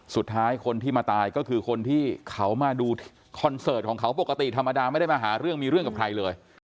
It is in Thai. สุดท้ายคนที่มาตายก็คือคนที่เขามาดูคอนเสิร์ตของเขาปกติธรรมดาไม่ได้มาหาเรื่องมีเรื่องกับใครเลย